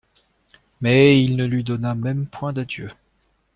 Mais il ne lui donna même point d'adieu.